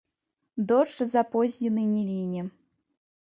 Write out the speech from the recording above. Дождж запознены не ліне.